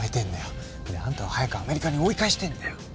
んであんたを早くアメリカに追い返してえんだよ！